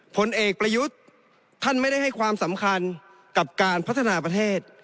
ผลเอกประยุทธ์ท่านไม่ได้ให้ความสำคัญกับการพัฒนาประเทศ